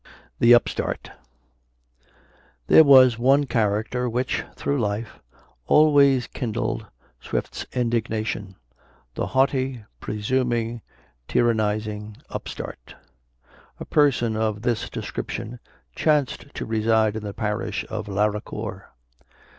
THE UPSTART. There was one character which, through life, always kindled Swift's indignation, the haughty, presuming, tyrannizing upstart! A person of this description chanced to reside in the parish of Laracor.